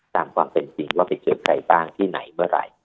ตามความเป็นจริงว่าไปเจอใครบ้างที่ไหนเมื่อไหร่